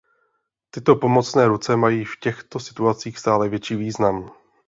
Tyto pomocné ruce mají v těchto situacích stále větší význam.